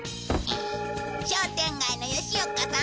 商店街の吉岡さん。